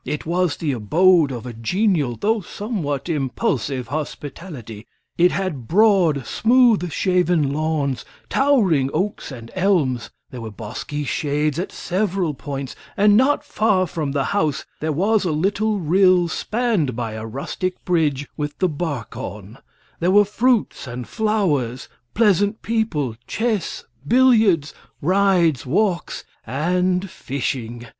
It was the abode of a genial, though somewhat impulsive, hospitality. It had broad, smooth shaven lawns and towering oaks and elms; there were bosky shades at several points, and not far from the house there was a little rill spanned by a rustic bridge with the bark on; there were fruits and flowers, pleasant people, chess, billiards, rides, walks, and fishing.